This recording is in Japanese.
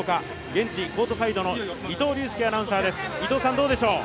現地コートサイドの伊藤隆佑アナウンサーです。